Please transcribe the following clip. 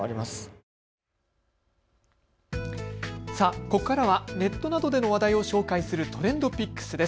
ここからはネットなどでの話題を紹介するＴｒｅｎｄＰｉｃｋｓです。